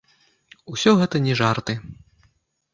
Усё гэта не жарты.